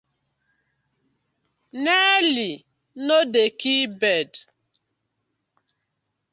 Nearly no dey kill bird: